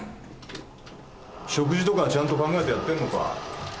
食事とかちゃんと考えてやってんのか？